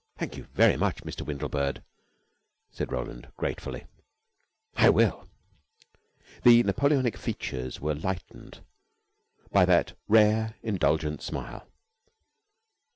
"Thank you very much, Mr. Windlebird," said Roland gratefully. "I will." The Napoleonic features were lightened by that rare, indulgent smile.